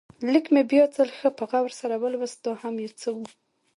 لیک مې بیا ځل ښه په غور سره ولوست، دا هم یو څه و.